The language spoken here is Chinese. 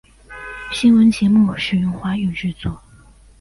新闻节目使用华语制作。